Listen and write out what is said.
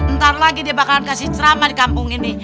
ntar lagi dia bakalan kasih ceramah di kampung ini